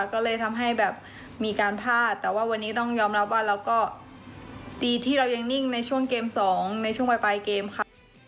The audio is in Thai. ก็เลยทำให้แบบมีการพลาดแต่ว่าวันนี้ต้องยอมรับว่าเราก็ตีที่เรายังนิ่งในช่วงเกม๒ในช่วงปลายเกมค่ะ